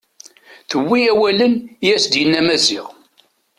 Tewwi awalen i as-d-yenna Maziɣ.